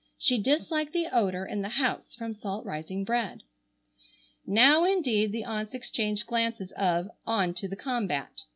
She disliked the odor in the house from salt rising bread." Now indeed the aunts exchanged glances of "On to the combat."